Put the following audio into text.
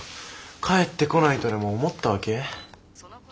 帰ってこないとでも思ったわけ？